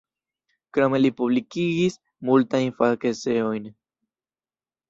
Krome li publikigis multajn fakeseojn.